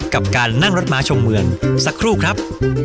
กับการนั่งรถม้าชมเมืองสักครู่ครับ